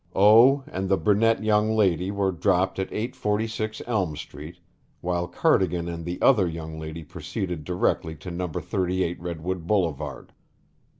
O. and the brunette young lady were dropped at 846 Elm Street while Cardigan and the other young lady proceeded directly to No. 38 Redwood Boulevard.